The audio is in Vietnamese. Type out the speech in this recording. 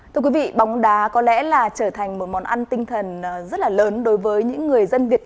thưa quý vị bóng đá có lẽ là trở thành một món ăn tinh thần rất là lớn đối với những người dân việt nam